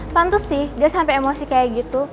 pantus sih dia sampe emosi kayak gitu